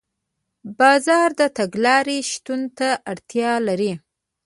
بازار د تګلارې شتون ته اړتیا لري.